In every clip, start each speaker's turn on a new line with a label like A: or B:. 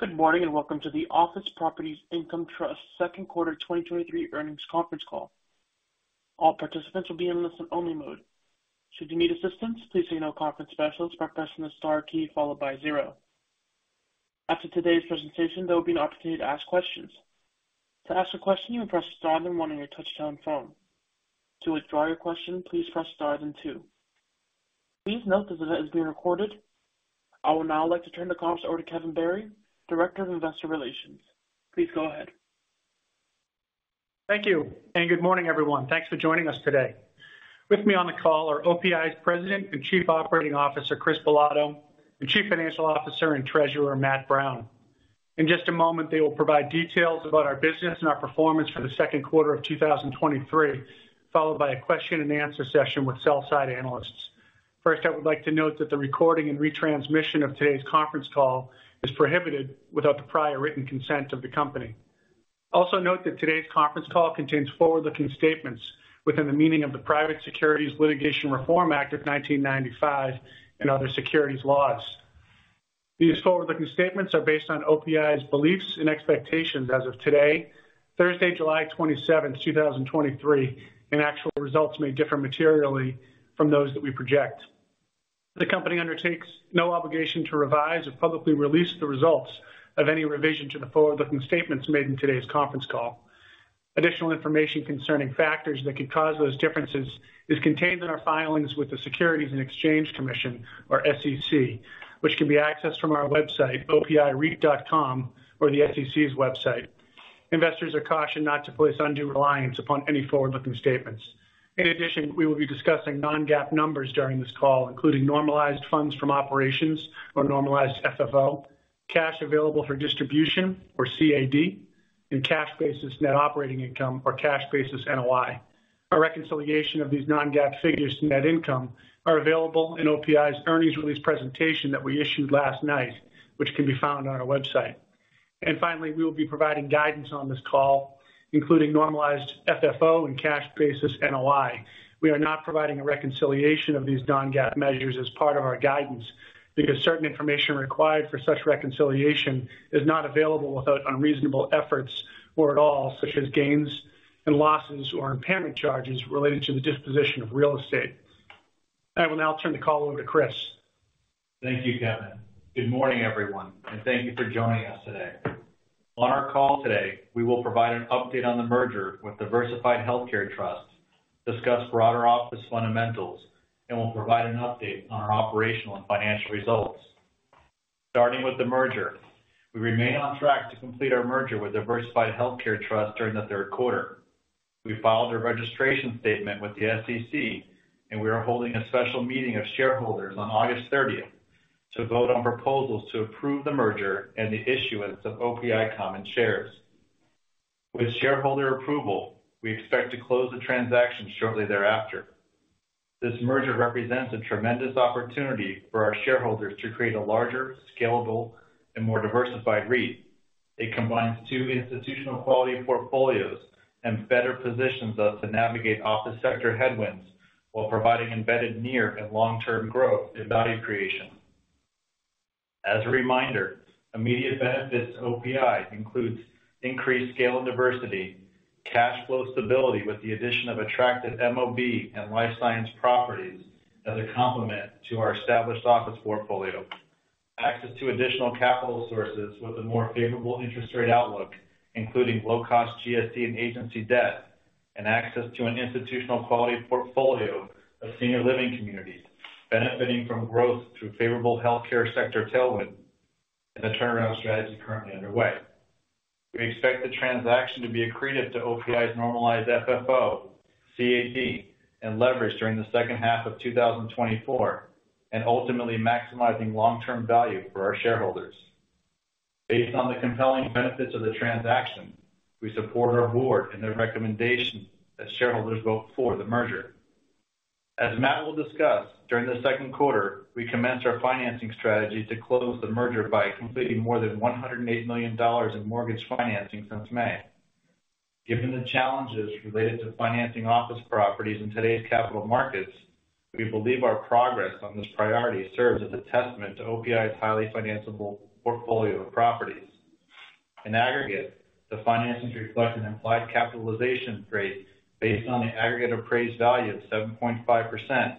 A: Good morning. Welcome to the Office Properties Income Trust second quarter 2023 earnings conference call. All participants will be in listen-only mode. Should you need assistance, please signal a conference specialist by pressing the star key followed by 0. After today's presentation, there will be an opportunity to ask questions. To ask a question, you may press star then 1 on your touch-tone phone. To withdraw your question, please press star then 2. Please note this event is being recorded. I would now like to turn the conference over to Kevin Barry, Director of Investor Relations. Please go ahead.
B: Thank you. Good morning, everyone. Thanks for joining us today. With me on the call are OPI's President and Chief Operating Officer, Chris Bilotto, and Chief Financial Officer and Treasurer, Matt Brown. In just a moment, they will provide details about our business and our performance for the second quarter of 2023, followed by a question and answer session with sell-side analysts. First, I would like to note that the recording and retransmission of today's conference call is prohibited without the prior written consent of the company. Note that today's conference call contains forward-looking statements within the meaning of the Private Securities Litigation Reform Act of 1995 and other securities laws. These forward-looking statements are based on OPI's beliefs and expectations as of today, Thursday, July 27th, 2023, and actual results may differ materially from those that we project. The company undertakes no obligation to revise or publicly release the results of any revision to the forward-looking statements made in today's conference call. Additional information concerning factors that could cause those differences is contained in our filings with the Securities and Exchange Commission, or SEC, which can be accessed from our website, opireit.com, or the SEC's website. Investors are cautioned not to place undue reliance upon any forward-looking statements. We will be discussing non-GAAP numbers during this call, including normalized funds from operations or Normalized FFO, cash available for distribution or CAD, and cash basis net operating income or Cash Basis NOI. A reconciliation of these non-GAAP figures to net income are available in OPI's earnings release presentation that we issued last night, which can be found on our website. Finally, we will be providing guidance on this call, including Normalized FFO and Cash Basis NOI. We are not providing a reconciliation of these non-GAAP measures as part of our guidance because certain information required for such reconciliation is not available without unreasonable efforts or at all, such as gains and losses or impairment charges related to the disposition of real estate. I will now turn the call over to Chris.
C: Thank you, Kevin. Good morning, everyone, thank you for joining us today. On our call today, we will provide an update on the merger with Diversified Healthcare Trust, discuss broader office fundamentals, and we'll provide an update on our operational and financial results. Starting with the merger, we remain on track to complete our merger with Diversified Healthcare Trust during the third quarter. We filed a registration statement with the SEC, we are holding a special meeting of shareholders on August thirtieth to vote on proposals to approve the merger and the issuance of OPI common shares. With shareholder approval, we expect to close the transaction shortly thereafter. This merger represents a tremendous opportunity for our shareholders to create a larger, scalable and more diversified REIT. It combines two institutional quality portfolios and better positions us to navigate office sector headwinds while providing embedded near and long-term growth and value creation. As a reminder, immediate benefits to OPI includes increased scale and diversity, cash flow stability with the addition of attractive MOB and life science properties as a complement to our established office portfolio. Access to additional capital sources with a more favorable interest rate outlook, including low-cost GSE and agency debt, and access to an institutional quality portfolio of senior living communities benefiting from growth through favorable healthcare sector tailwind and the turnaround strategy currently underway. We expect the transaction to be accretive to OPI's normalized FFO, CAD, and leverage during the second half of 2024, and ultimately maximizing long-term value for our shareholders. Based on the compelling benefits of the transaction, we support our board in their recommendation that shareholders vote for the merger. As Matt will discuss, during the second quarter, we commenced our financing strategy to close the merger by completing more than $108 million in mortgage financing since May. Given the challenges related to financing office properties in today's capital markets, we believe our progress on this priority serves as a testament to OPI's highly financiable portfolio of properties. In aggregate, the financings reflect an implied capitalization rate based on the aggregate appraised value of 7.5%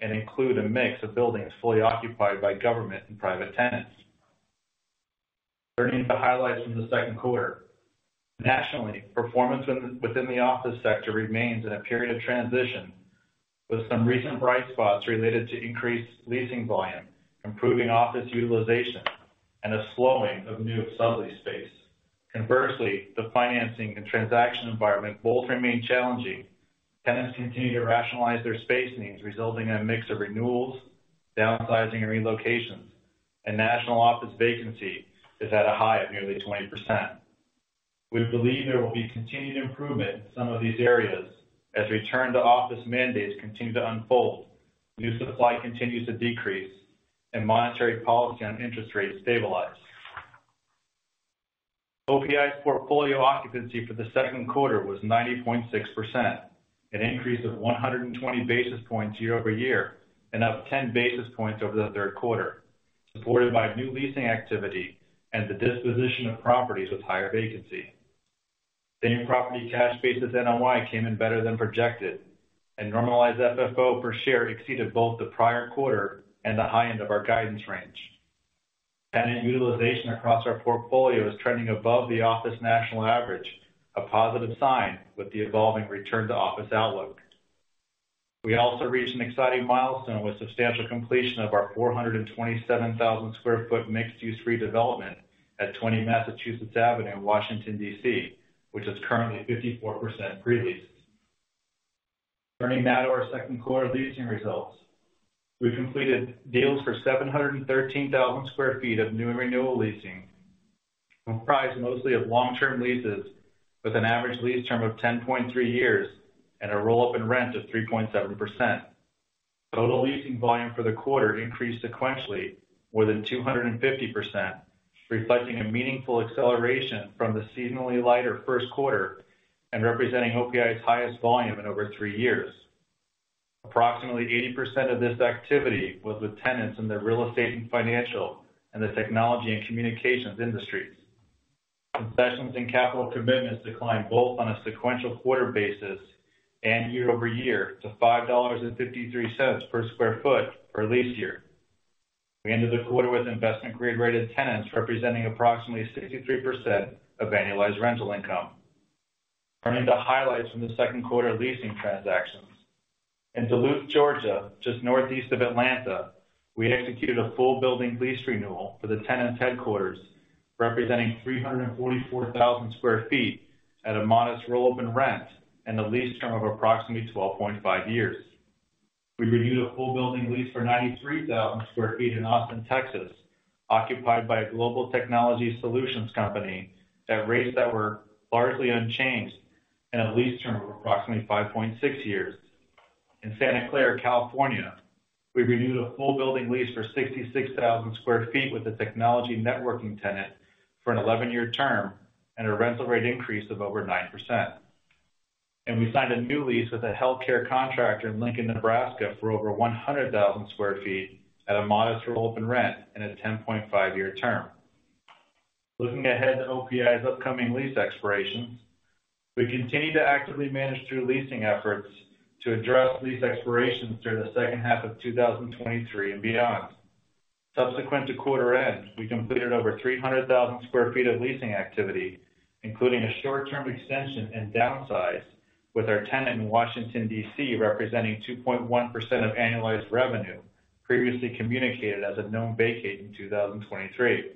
C: and include a mix of buildings fully occupied by government and private tenants. Turning to the highlights from the second quarter. Nationally, performance within the office sector remains in a period of transition, with some recent bright spots related to increased leasing volume, improving office utilization, and a slowing of new sublease space. Conversely, the financing and transaction environment both remain challenging. Tenants continue to rationalize their space needs, resulting in a mix of renewals, downsizing and relocations, and national office vacancy is at a high of nearly 20%. We believe there will be continued improvement in some of these areas as return-to-office mandates continue to unfold, new supply continues to decrease, and monetary policy and interest rates stabilize. OPI's portfolio occupancy for the second quarter was 90.6%, an increase of 120 basis points year-over-year, and up 10 basis points over the third quarter, supported by new leasing activity and the disposition of properties with higher vacancy. Same property Cash Basis NOI came in better than projected. Normalized FFO per share exceeded both the prior quarter and the high end of our guidance range. Tenant utilization across our portfolio is trending above the office national average, a positive sign with the evolving return-to-office outlook. We also reached an exciting milestone with substantial completion of our 427,000 sq ft mixed-use redevelopment at Twenty Massachusetts Avenue in Washington, D.C., which is currently 54% pre-leased. Turning now to our second quarter leasing results. We completed deals for 713,000 sq ft of new and renewal leasing, comprised mostly of long-term leases, with an average lease term of 10.3 years and a roll-up in rent of 3.7%. Total leasing volume for the quarter increased sequentially more than 250%, reflecting a meaningful acceleration from the seasonally lighter first quarter and representing OPI's highest volume in over 3 years. Approximately 80% of this activity was with tenants in the real estate and financial, and the technology and communications industries. Concessions and capital commitments declined both on a sequential quarter basis and year-over-year to $5.53 per sq ft per lease year. We ended the quarter with investment grade-rated tenants, representing approximately 63% of annualized rental income. Turning to highlights from the second quarter leasing transactions. In Duluth, Georgia, just northeast of Atlanta, we executed a full building lease renewal for the tenant's headquarters, representing 344,000 sq ft at a modest roll-up in rent and a lease term of approximately 12.5 years. We renewed a full building lease for 93,000 sq ft in Austin, Texas, occupied by a global technology solutions company at rates that were largely unchanged and a lease term of approximately 5.6 years. In Santa Clara, California, we renewed a full building lease for 66,000 sq ft with a technology networking tenant for an 11-year term and a rental rate increase of over 9%. We signed a new lease with a healthcare contractor in Lincoln, Nebraska, for over 100,000 sq ft at a modest roll-up in rent and a 10.5 year term. Looking ahead to OPI's upcoming lease expirations, we continue to actively manage through leasing efforts to address lease expirations during the second half of 2023 and beyond. Subsequent to quarter end, we completed over 300,000 sq ft of leasing activity, including a short-term extension and downsize with our tenant in Washington, D.C., representing 2.1% of annualized revenue, previously communicated as a known vacate in 2023.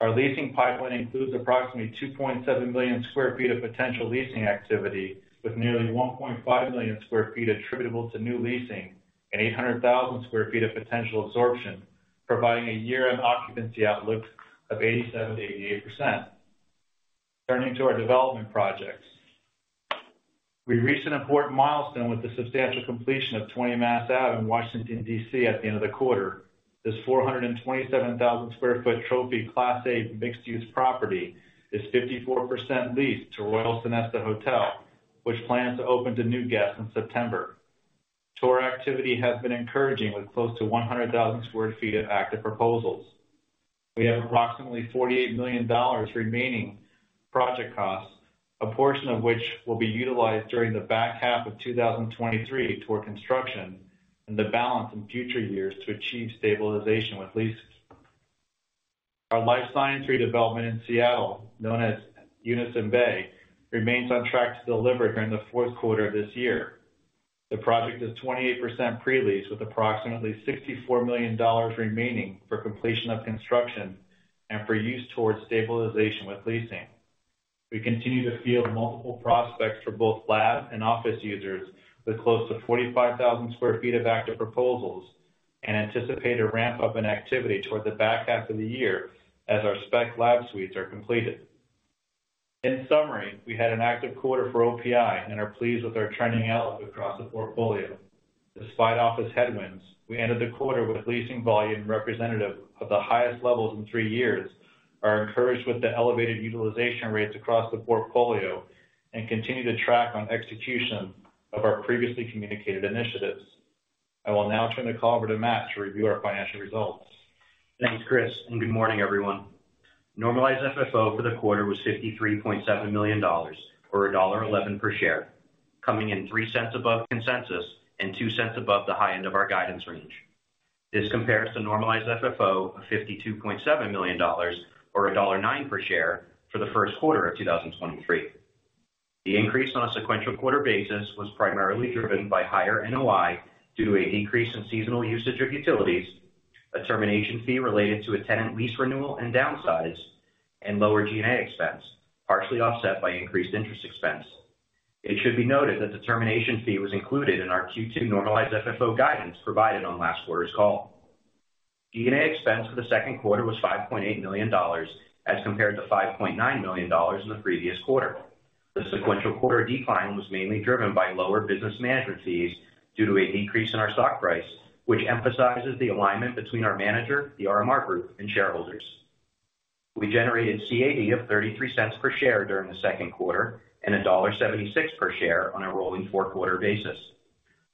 C: Our leasing pipeline includes approximately 2.7 million sq ft of potential leasing activity, with nearly 1.5 million sq ft attributable to new leasing and 800,000 sq ft of potential absorption, providing a year-end occupancy outlook of 87%-88%. Turning to our development projects. We reached an important milestone with the substantial completion of Twenty Mass Ave in Washington, D.C., at the end of the quarter. This 427,000 sq ft trophy Class A mixed-use property is 54% leased to Royal Sonesta Hotel, which plans to open to new guests in September. Tour activity has been encouraging, with close to 100,000 sq ft of active proposals. We have approximately $48 million remaining project costs, a portion of which will be utilized during the back half of 2023 toward construction and the balance in future years to achieve stabilization with leases. Our life science redevelopment in Seattle, known as Unison Elliott Bay, remains on track to deliver during the fourth quarter of this year. The project is 28% pre-leased, with approximately $64 million remaining for completion of construction and for use towards stabilization with leasing. We continue to field multiple prospects for both lab and office users, with close to 45,000 sq ft of active proposals, and anticipate a ramp-up in activity toward the back half of the year as our spec lab suites are completed. In summary, we had an active quarter for OPI and are pleased with our trending outlook across the portfolio. Despite office headwinds, we ended the quarter with leasing volume representative of the highest levels in three years, are encouraged with the elevated utilization rates across the portfolio, and continue to track on execution of our previously communicated initiatives. I will now turn the call over to Matt to review our financial results.
D: Thanks, Chris. Good morning, everyone. Normalized FFO for the quarter was $53.7 million, or $1.11 per share, coming in $0.03 above consensus and $0.02 above the high end of our guidance range. This compares to Normalized FFO of $52.7 million, or $1.09 per share for the first quarter of 2023. The increase on a sequential quarter basis was primarily driven by higher NOI due to a decrease in seasonal usage of utilities, a termination fee related to a tenant lease renewal and downsize, and lower G&A expense, partially offset by increased interest expense. It should be noted that the termination fee was included in our Q2 Normalized FFO guidance provided on last quarter's call. G&A expense for the second quarter was $5.8 million, as compared to $5.9 million in the previous quarter. The sequential quarter decline was mainly driven by lower business management fees due to a decrease in our stock price, which emphasizes the alignment between our manager, The RMR Group, and shareholders. We generated CAD of $0.33 per share during the second quarter and $1.76 per share on a rolling four-quarter basis.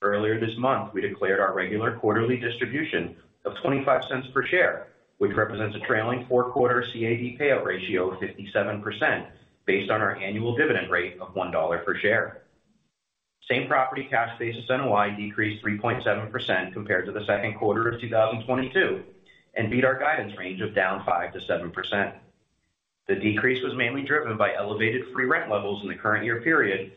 D: Earlier this month, we declared our regular quarterly distribution of $0.25 per share, which represents a trailing four-quarter CAD payout ratio of 57% based on our annual dividend rate of $1 per share. Same-property Cash Basis NOI decreased 3.7% compared to the second quarter of 2022, and beat our guidance range of down 5%-7%. The decrease was mainly driven by elevated free rent levels in the current year period,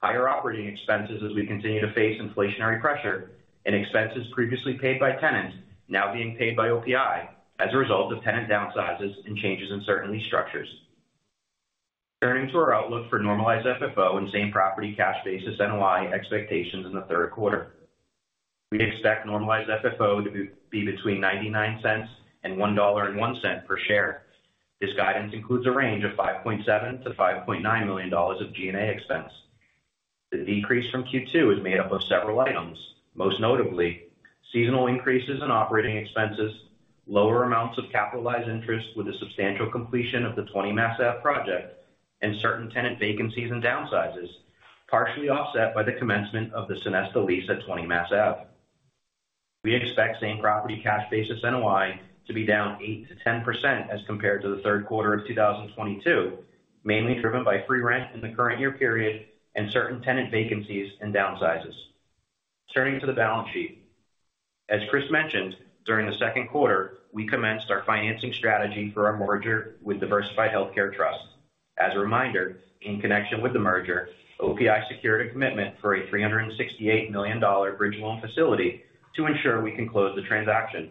D: higher operating expenses as we continue to face inflationary pressure, and expenses previously paid by tenants now being paid by OPI as a result of tenant downsizes and changes in certain lease structures. Turning to our outlook for normalized FFO and same-property Cash Basis NOI expectations in the third quarter. We expect normalized FFO to be between $0.99 and $1.01 per share. This guidance includes a range of $5.7 million-$5.9 million of G&A expense. The decrease from Q2 is made up of several items, most notably, seasonal increases in operating expenses, lower amounts of capitalized interest with the substantial completion of the Twenty Mass Ave project, and certain tenant vacancies and downsizes, partially offset by the commencement of the Sonesta lease at Twenty Mass Ave. We expect same-property Cash Basis NOI to be down 8%-10% as compared to the third quarter of 2022, mainly driven by free rent in the current year period and certain tenant vacancies and downsizes. Turning to the balance sheet. As Chris mentioned, during the second quarter, we commenced our financing strategy for our merger with Diversified Healthcare Trust. As a reminder, in connection with the merger, OPI secured a commitment for a $368 million bridge loan facility to ensure we can close the transaction.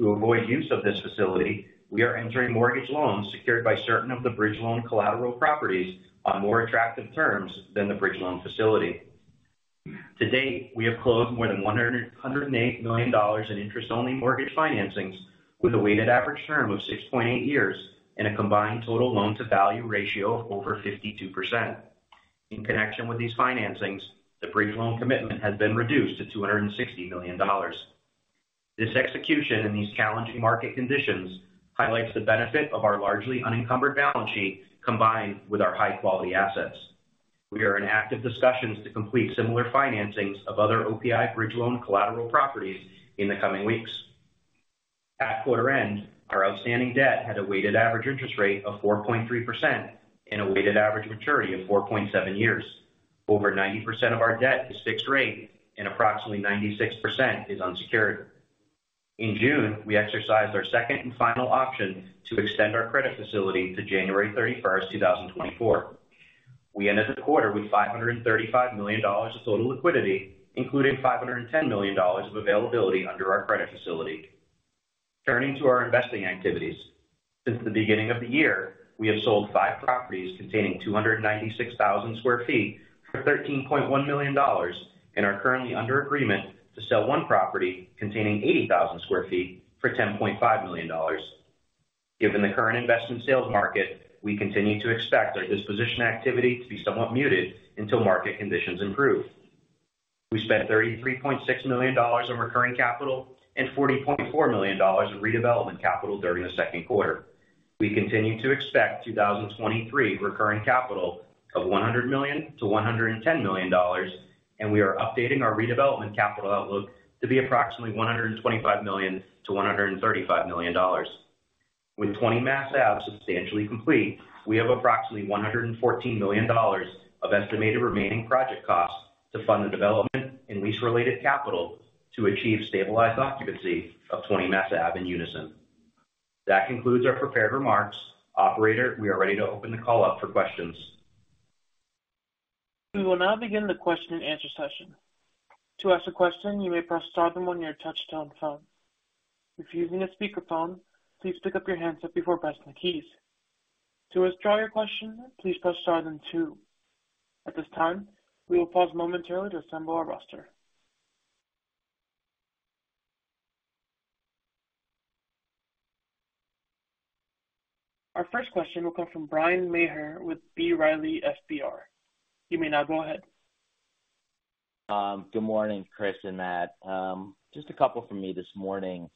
D: To avoid use of this facility, we are entering mortgage loans secured by certain of the bridge loan collateral properties on more attractive terms than the bridge loan facility. To date, we have closed more than $108 million in interest-only mortgage financings, with a weighted average term of 6.8 years and a combined total loan-to-value ratio of over 52%. In connection with these financings, the bridge loan commitment has been reduced to $260 million. This execution in these challenging market conditions highlights the benefit of our largely unencumbered balance sheet, combined with our high-quality assets. We are in active discussions to complete similar financings of other OPI bridge loan collateral properties in the coming weeks. At quarter end, our outstanding debt had a weighted average interest rate of 4.3% and a weighted average maturity of 4.7 years. Over 90% of our debt is fixed rate and approximately 96% is unsecured. In June, we exercised our second and final option to extend our credit facility to January 31st, 2024. We ended the quarter with $535 million of total liquidity, including $510 million of availability under our credit facility. Turning to our investing activities. Since the beginning of the year, we have sold five properties containing 296,000 sq ft for $13.1 million, and are currently under agreement to sell one property containing 80,000 sq ft for $10.5 million. Given the current investment sales market, we continue to expect our disposition activity to be somewhat muted until market conditions improve. We spent $33.6 million in recurring capital and $40.4 million in redevelopment capital during the second quarter. We continue to expect 2023 recurring capital of $100 million-$110 million. We are updating our redevelopment capital outlook to be approximately $125 million-$135 million. With Twenty Mass Ave substantially complete, we have approximately $114 million of estimated remaining project costs to fund the development and lease-related capital to achieve stabilized occupancy of Twenty Mass Ave in unison. That concludes our prepared remarks. Operator, we are ready to open the call up for questions.
A: We will now begin the question and answer session. To ask a question, you may press star one on your touchtone phone. If you're using a speakerphone, please pick up your handset before pressing the keys. To withdraw your question, please press star then two. At this time, we will pause momentarily to assemble our roster. Our first question will come from Bryan Maher with B. Riley FBR. You may now go ahead.
E: Good morning, Chris and Matt. Just a couple from me this morning.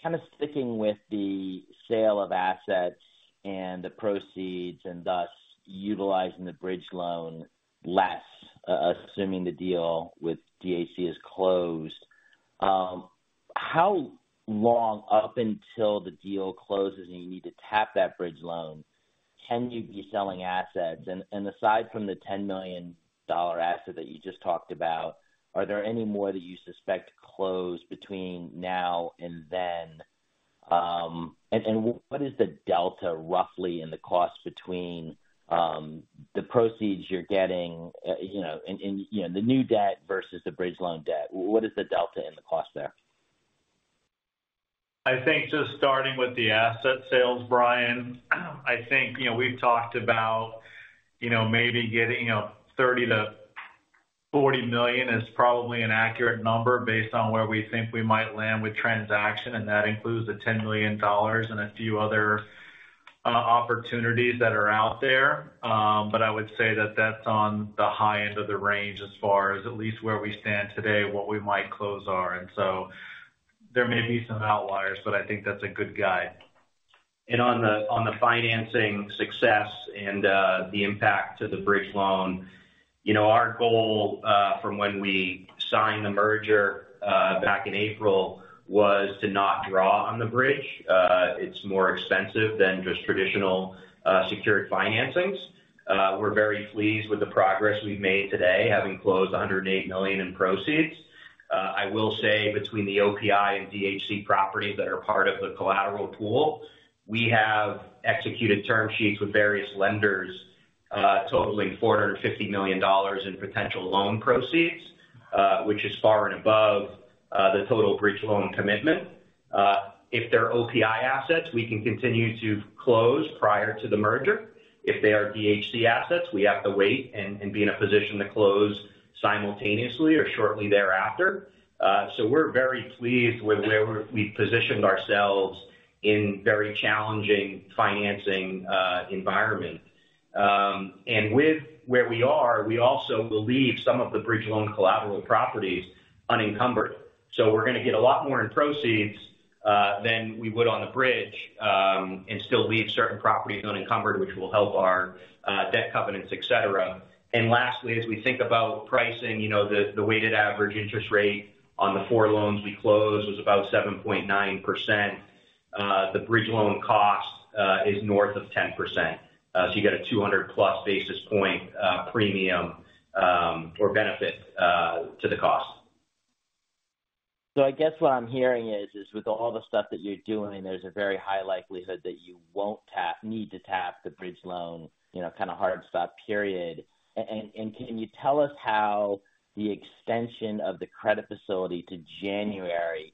E: Kind of sticking with the sale of assets and the proceeds, and thus utilizing the bridge loan less, assuming the deal with DHC is closed. How long up until the deal closes and you need to tap that bridge loan, can you be selling assets? Aside from the $10 million asset that you just talked about, are there any more that you suspect close between now and then? What is the delta, roughly, in the cost between the proceeds you're getting, you know, and, and, you know, the new debt versus the bridge loan debt? What is the delta in the cost there?
D: I think just starting with the asset sales, Bryan, I think, you know, we've talked about, you know, maybe getting, you know, 30.
C: ...$40 million is probably an accurate number based on where we think we might land with transaction, and that includes the $10 million and a few other opportunities that are out there. I would say that that's on the high end of the range as far as at least where we stand today, what we might close are. There may be some outliers, but I think that's a good guide.
D: On the financing success and the impact to the bridge loan, you know, our goal from when we signed the merger back in April, was to not draw on the bridge. It's more expensive than just traditional secured financings. We're very pleased with the progress we've made today, having closed $108 million in proceeds. I will say between the OPI and DHC properties that are part of the collateral pool, we have executed term sheets with various lenders, totaling $450 million in potential loan proceeds, which is far and above the total bridge loan commitment. If they're OPI assets, we can continue to close prior to the merger. If they are DHC assets, we have to wait and be in a position to close simultaneously or shortly thereafter. We're very pleased with where we've positioned ourselves in very challenging financing environment. With where we are, we also will leave some of the bridge loan collateral properties unencumbered. We're gonna get a lot more in proceeds than we would on the bridge, and still leave certain properties unencumbered, which will help our debt covenants, et cetera. Lastly, as we think about pricing, you know, the weighted average interest rate on the four loans we closed was about 7.9%. The bridge loan cost is north of 10%. You get a 200+ basis point premium or benefit to the cost.
E: I guess what I'm hearing is, is with all the stuff that you're doing, there's a very high likelihood that you won't need to tap the bridge loan, you know, kind of hard stop, period. Can you tell us how the extension of the credit facility to January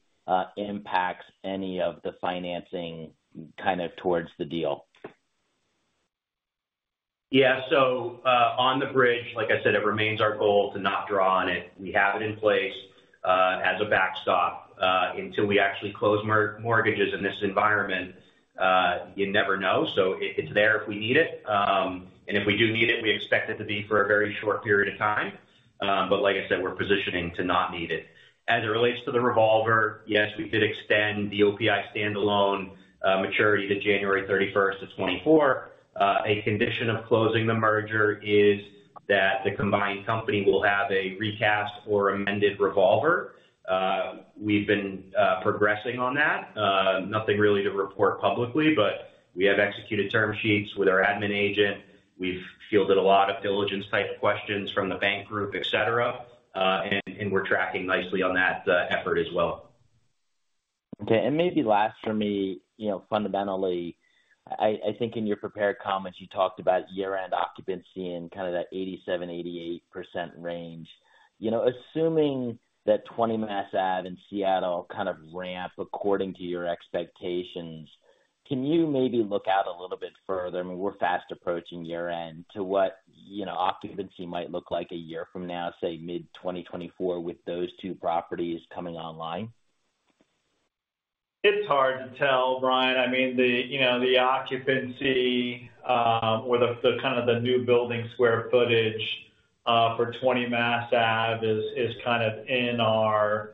E: impacts any of the financing kind of towards the deal?
D: On the bridge, like I said, it remains our goal to not draw on it. We have it in place as a backstop. Until we actually close mortgages in this environment, you never know. It's there if we need it. If we do need it, we expect it to be for a very short period of time. Like I said, we're positioning to not need it. As it relates to the revolver, yes, we did extend the OPI standalone maturity to January 31st of 2024. A condition of closing the merger is that the combined company will have a recast or amended revolver. We've been progressing on that. Nothing really to report publicly, but we have executed term sheets with our admin agent. We've fielded a lot of diligence-type questions from the bank group, et cetera, and we're tracking nicely on that effort as well.
E: Okay, maybe last for me, you know, fundamentally, I think in your prepared comments, you talked about year-end occupancy in kind of that 87%-88% range. You know, assuming that Twenty Mass Ave and Seattle kind of ramp according to your expectations, can you maybe look out a little bit further, I mean, we're fast approaching year-end, to what, you know, occupancy might look like a year from now, say, mid-2024, with those two properties coming online?
C: It's hard to tell, Bryan. I mean, the, you know, the occupancy, or the, the kind of the new building square footage, for Twenty Mass Ave is, is kind of in our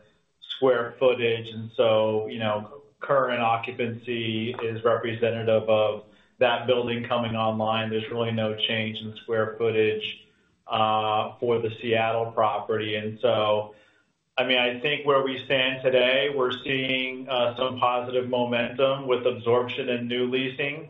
C: square footage, and so, you know, current occupancy is representative of that building coming online. There's really no change in square footage, for the Seattle property. I mean, I think where we stand today, we're seeing, some positive momentum with absorption and new leasing,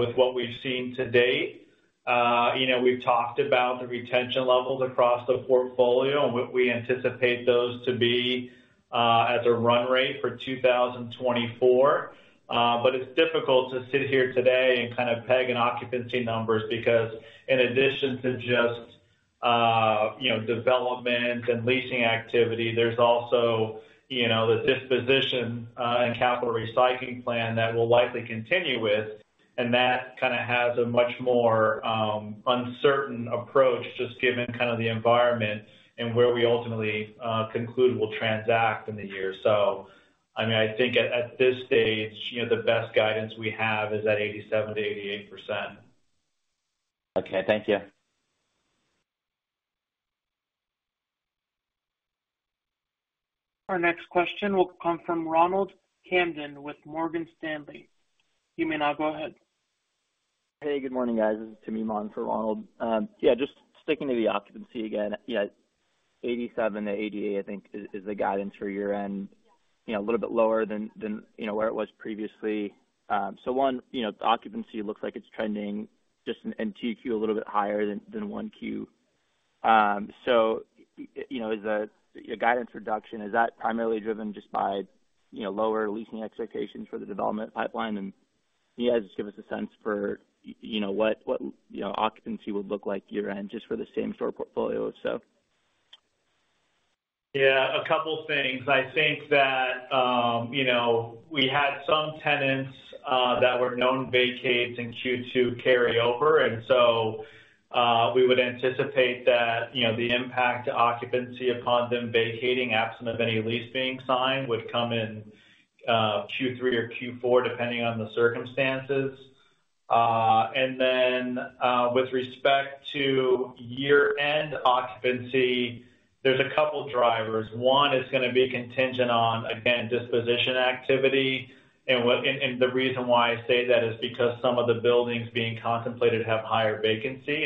C: with what we've seen to date. You know, we've talked about the retention levels across the portfolio and what we anticipate those to be, at the run rate for 2024. It's difficult to sit here today and kind of peg an occupancy numbers because in addition to just, you know, development and leasing activity, there's also, you know, the disposition, and capital recycling plan that we'll likely continue with, and that kind of has a much more uncertain approach, just given kind of the environment and where we ultimately conclude we'll transact in the year. I mean, I think at this stage, you know, the best guidance we have is at 87%-88%.
E: Okay. Thank you.
A: Our next question will come from Ronald Kamdem with Morgan Stanley. You may now go ahead.
F: Hey, good morning, guys. This is Tamim Sarwary for Ronald. Yeah, just sticking to the occupancy again. Yeah, 87% to 88%, I think, is the guidance for year-end, you know, a little bit lower than, you know, where it was previously. One, you know, the occupancy looks like it's trending just in 2Q a little bit higher than 1Q. You know, is the... Your guidance reduction, is that primarily driven just by, you know, lower leasing expectations for the development pipeline? Yeah, just give us a sense for, you know, what, you know, occupancy would look like year-end just for the same store portfolio.
C: Yeah, a couple things. I think that, you know, we had some tenants that were known vacates in Q2 carry over. We would anticipate that, you know, the impact to occupancy upon them vacating, absent of any lease being signed, would come in Q3 or Q4, depending on the circumstances. With respect to year-end occupancy, there's a couple drivers. One is going to be contingent on, again, disposition activity. The reason why I say that is because some of the buildings being contemplated have higher vacancy,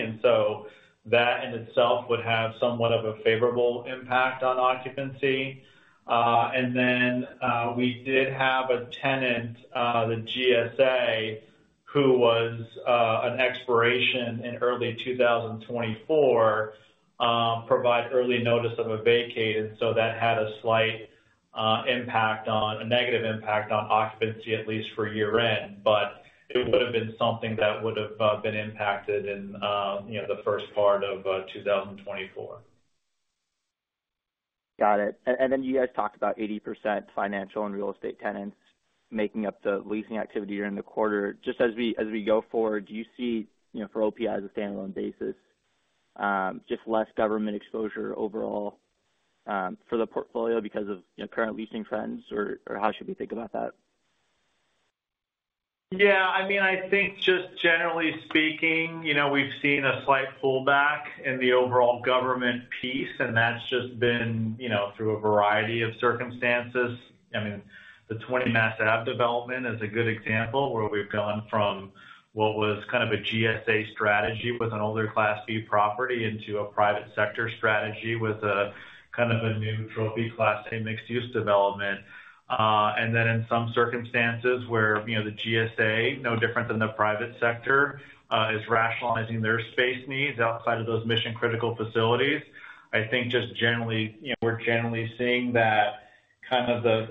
C: that in itself would have somewhat of a favorable impact on occupancy. We did have a tenant, the GSA, who was an expiration in early 2024, provide early notice of a vacate. That had a slight negative impact on occupancy, at least for year-end. It would have been something that would have been impacted in, you know, the first part of 2024.
F: Got it. You guys talked about 80% financial and real estate tenants making up the leasing activity during the quarter. Just as we go forward, do you see, you know, for OPI as a standalone basis, just less government exposure overall, for the portfolio because of, you know, current leasing trends, or how should we think about that?
C: Yeah, I mean, I think just generally speaking, you know, we've seen a slight pullback in the overall government piece, and that's just been, you know, through a variety of circumstances. I mean, the Twenty Mass Ave development is a good example where we've gone from what was kind of a GSA strategy with an older Class B property into a private sector strategy with a kind of a neutral B Class A mixed-use development. In some circumstances where, you know, the GSA, no different than the private sector, is rationalizing their space needs outside of those mission-critical facilities. I think just generally, you know, we're generally seeing that kind of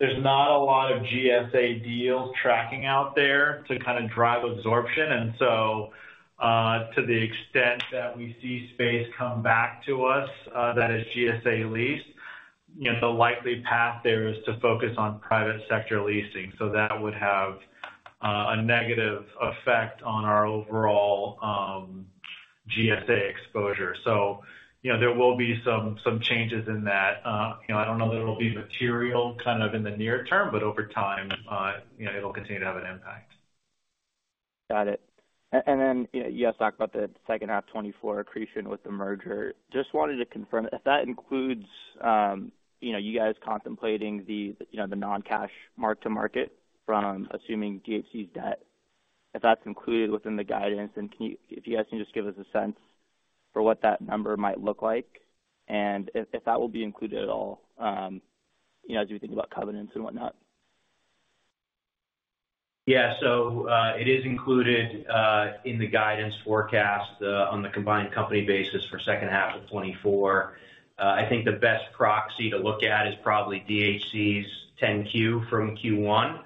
C: There's not a lot of GSA deals tracking out there to kind of drive absorption. To the extent that we see space come back to us, that is GSA leased, you know, the likely path there is to focus on private sector leasing. That would have a negative effect on our overall GSA exposure. You know, there will be some, some changes in that. You know, I don't know that it'll be material kind of in the near term, but over time, you know, it'll continue to have an impact.
F: Got it. Then, you know, you guys talked about the second half 2024 accretion with the merger. Just wanted to confirm if that includes, you know, you guys contemplating the, you know, the non-cash mark-to-market from assuming DHC's debt, if that's included within the guidance, and if you guys can just give us a sense for what that number might look like and if, if that will be included at all, you know, as we think about covenants and whatnot?
C: It is included in the guidance forecast on the combined company basis for second half of 2024. I think the best proxy to look at is probably DHC's 10-Q from Q1.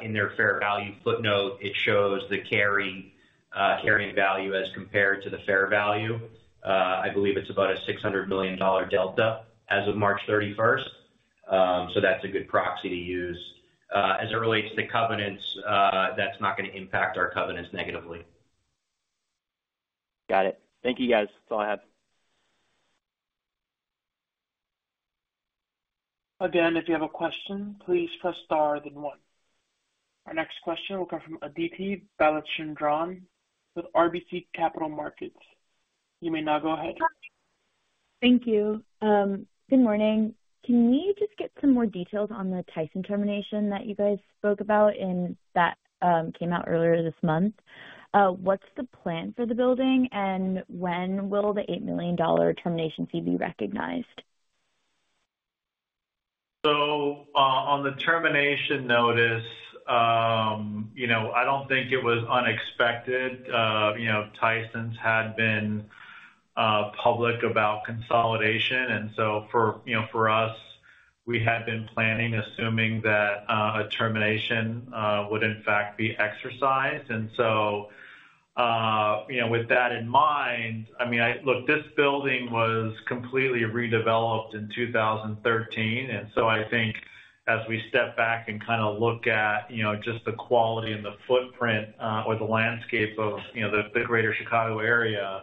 C: In their fair value footnote, it shows the carrying value as compared to the fair value. I believe it's about a $600 million delta as of March 31st. That's not going to impact our covenants negatively.
F: Got it. Thank you, guys. That's all I have.
A: Again, if you have a question, please press Star, then one. Our next question will come from Aditi Balachandran with RBC Capital Markets. You may now go ahead.
G: Thank you. Good morning. Can we just get some more details on the Tyson termination that you guys spoke about and that came out earlier this month? What's the plan for the building, and when will the $8 million termination fee be recognized?
C: On the termination notice, you know, I don't think it was unexpected. You know, Tyson had been public about consolidation, for, you know, for us, we had been planning, assuming that a termination would in fact be exercised. You know, with that in mind, I mean, look, this building was completely redeveloped in 2013. I think as we step back and kind of look at, you know, just the quality and the footprint, or the landscape of, you know, the Greater Chicago area,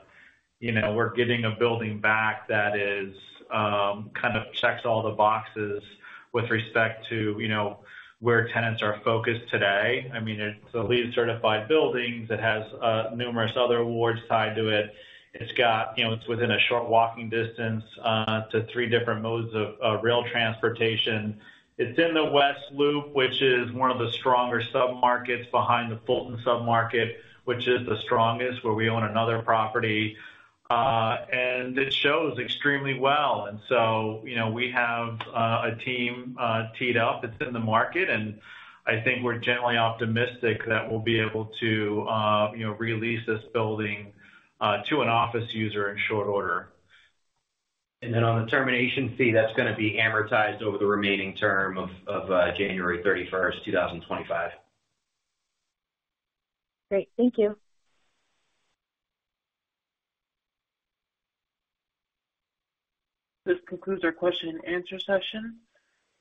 C: you know, we're getting a building back that is kind of checks all the boxes with respect to, you know, where tenants are focused today. I mean, it's a LEED-certified building that has numerous other awards tied to it. It's got… You know, it's within a short walking distance to three different modes of rail transportation. It's in the West Loop, which is one of the stronger submarkets behind the Fulton submarket, which is the strongest, where we own another property. It shows extremely well. You know, we have a team teed up that's in the market, and I think we're generally optimistic that we'll be able to, you know, release this building to an office user in short order. On the termination fee, that's gonna be amortized over the remaining term of January 31st, 2025.
G: Great. Thank you.
A: This concludes our question and answer session.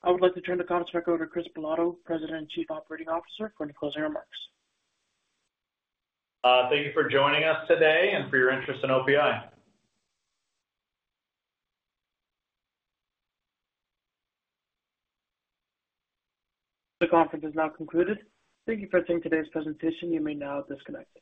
A: I would like to turn the conference back over to Chris Bilotto, President and Chief Operating Officer, for any closing remarks.
C: Thank you for joining us today and for your interest in OPI.
A: The conference is now concluded. Thank you for attending today's presentation. You may now disconnect.